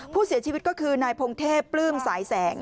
ผู้เสียชีวิตก็คือนายพงเทพปลื้มสายแสง